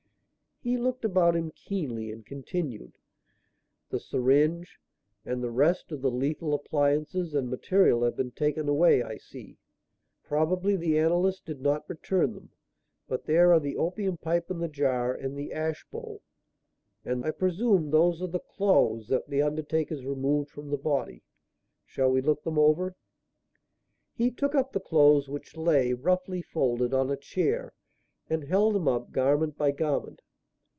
He looked about him keenly and continued: "The syringe and the rest of the lethal appliances and material have been taken away, I see. Probably the analyst did not return them. But there are the opium pipe and the jar and the ash bowl, and I presume those are the clothes that the undertakers removed from the body. Shall we look them over?" He took up the clothes which lay, roughly folded, on a chair and held them up, garment by garment.